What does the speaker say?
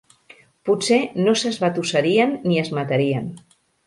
Potser no s'esbatussarien ni es matarien.